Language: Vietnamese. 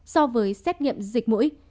so với xét nghiệm dịch mũi